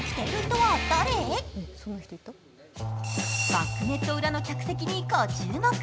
バックネット裏の客席にご注目。